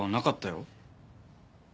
「よ」？